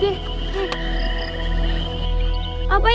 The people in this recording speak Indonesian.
kita gak mau